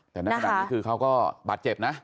แต่ในขณะนี้คือเขาก็บาดเจ็บนะ